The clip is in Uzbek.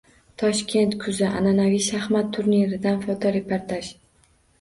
Toshkent kuzi an’anaviy shaxmat turniridan fotoreportaj